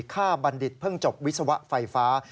บัณฑิตเพิ่งจบวิศวะไฟฟ้า